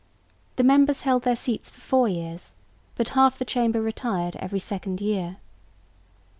The members held their seats for four years, but half the Chamber retired every second year.